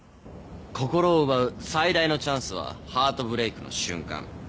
心を奪う最大のチャンスはハートブレークの瞬間。